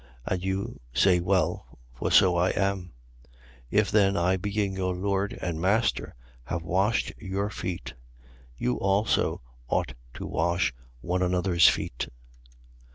And you say well: for so I am. 13:14. If then I being your Lord and Master, have washed your feet; you also ought to wash one another's feet.